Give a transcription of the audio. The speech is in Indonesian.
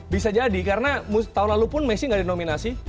bisa jadi karena tahun lalu pun messi nggak ada nominasi